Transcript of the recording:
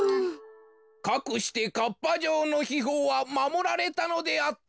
かくしてかっぱ城のひほうはまもられたのであった。